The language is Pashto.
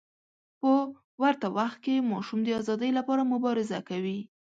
په ورته وخت کې ماشوم د ازادۍ لپاره مبارزه کوي.